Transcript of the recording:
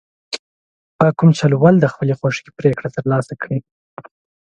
په کوم چل ول د خپلې خوښې پرېکړه ترلاسه کړي.